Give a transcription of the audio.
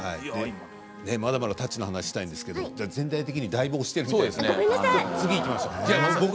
また「タッチ」の話をしたいですが全体的にだいぶ押してるみたいです。